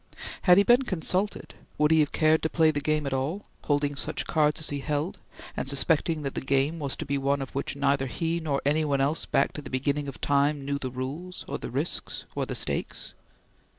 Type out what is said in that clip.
Had he been consulted, would he have cared to play the game at all, holding such cards as he held, and suspecting that the game was to be one of which neither he nor any one else back to the beginning of time knew the rules or the risks or the stakes?